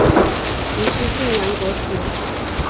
于是泾阳国除。